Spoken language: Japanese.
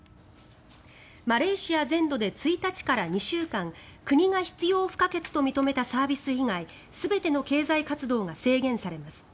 マレーシア全土で１日から２週間国が必要不可欠と認めたサービス以外全ての経済活動が制限されます。